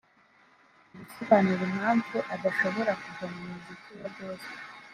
Mu gusobanura impamvu adashobora kuva mu muziki wa Gospel